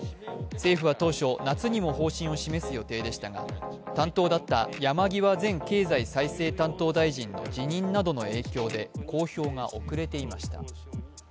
政府は当初、夏にも方針を示す予定でしたが担当だった山際前経済再生担当大臣の辞任などの影響で公表が遅れていました。